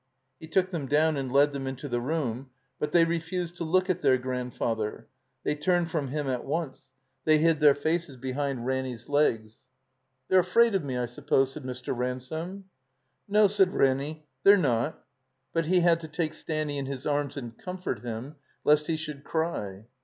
He took them down and led them into the room. But they refused to look at their grandfather; they turned from him at once ; they hid their faces behind Ranny's legs. "They're afraid of me, I suppose," said Mr. Ransome. "No," said Ranny, "they're not." But he had to take Stanny in his arms and comfort him lest he should cry.